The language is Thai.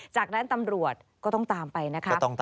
จากนั้นตำรวจก็ต้องตามไปนะคะ